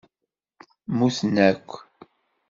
Mmuten akk.